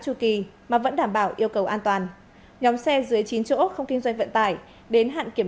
chu kỳ mà vẫn đảm bảo yêu cầu an toàn nhóm xe dưới chín chỗ không kinh doanh vận tải đến hạn kiểm